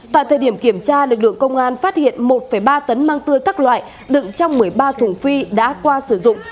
tại thời điểm kiểm tra lực lượng công an phát hiện một ba tấn măng tươi các loại đựng trong một mươi ba thùng phi đã qua sử dụng